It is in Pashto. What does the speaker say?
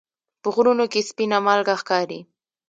په غرونو کې سپینه مالګه ښکاري.